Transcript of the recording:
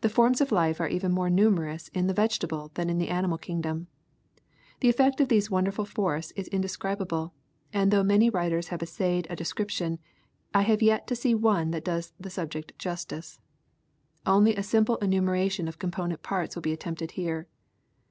The forms of life are even more numerous in the vegetable than in the animal kingdom. The effect of these wonderful forests is indescribable, and though many writers have essayed a descrip tion, I have yet to see one that does the subject justice. Only a simple enumeration of component parts will be attempted here.